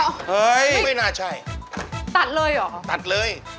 เฮ้ยไม่น่าใช่ตัดเลยเหรอตัดเลย